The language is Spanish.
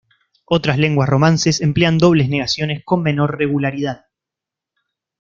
Otras lenguas romances emplean dobles negaciones con menor regularidad.